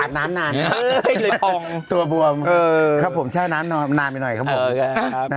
น้ำนานเลยองตัวบวมครับผมแช่น้ำนานไปหน่อยครับผม